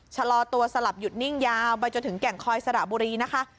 ชะลอตัวสลับหยุดนิ่งยาวไปจนถึงแก่งคอยสระบุรีนะคะ